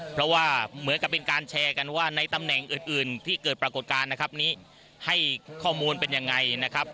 เพราะว่าเหมือนกับเป็นการแชร์กันว่าในตำแหน่งอื่นที่เกิดปรากฏการณ์นะครับนี้ให้ข้อมูลเป็นยังไงนะครับ